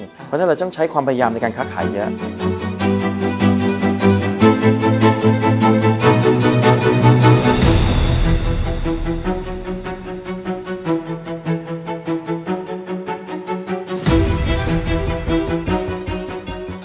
เพราะฉะนั้นเราต้องใช้ความพยายามในการค้าขายเยอะ